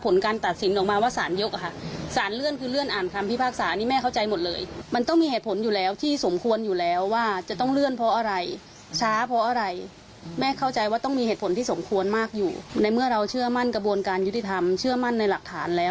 ในเมื่อเราเชื่อมั่นกระบวนการยุทธิธรรมเชื่อมั่นในหลักฐานแล้ว